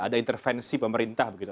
ada intervensi pemerintah begitu